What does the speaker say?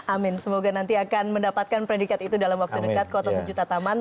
amin semoga nanti akan mendapatkan predikat itu dalam waktu dekat kota sejuta taman